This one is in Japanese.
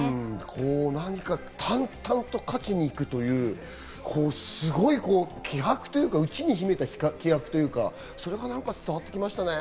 何か淡々と勝ちにいくという、すごい気迫というか、うちに秘めた気迫というか、それが何か伝わってきましたね。